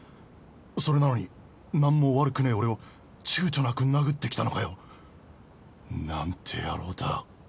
それなのになんも悪くねえ俺をちゅうちょなく殴ってきたのかよ。なんて野郎だ